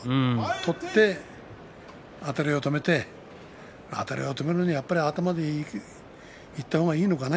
取って、あたりを止めてあたりを止めるにはやっぱり頭でいった方がいいのかね。